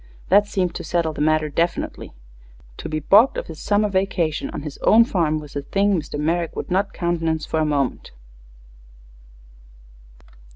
That seemed to settle the matter definitely. To be balked of his summer vacation on his own farm was a thing Mr. Merrick would not countenance for a moment.